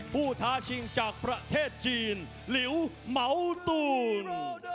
ท้าชิงจากประเทศจีนหลิวเหมาตูน